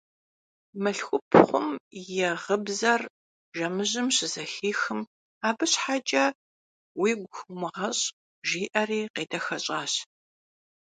Mılhxupxhum yi ğıbzer jjemıjım şızexixım: – Abı şheç'e vuigu xomığeş', – jji'eri khêdexeş'aş.